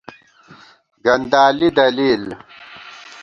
گندالی دلیل